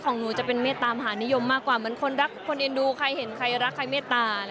ของหนูจะเป็นเมตตามหานิยมมากกว่าเหมือนคนรักคนเอ็นดูใครเห็นใครรักใครเมตตา